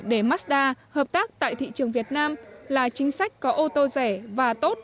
để mazda hợp tác tại thị trường việt nam là chính sách có ô tô rẻ và tốt